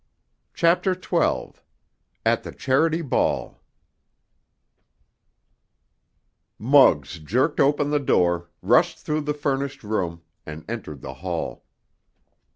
CHAPTER XII—AT THE CHARITY BALL Muggs jerked open the door, rushed through the furnished room, and entered the hall.